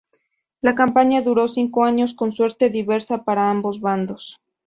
La campaña duró cinco años con suerte diversa para ambos bandos.